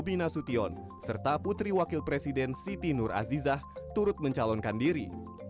bobi nasution serta putri wakil presiden siti nur azizah turut mencalonkan diri